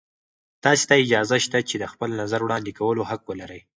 تاسې ته اجازه شته چې د خپل نظر وړاندې کولو حق ولرئ.